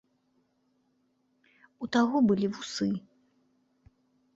У таго былі вусы.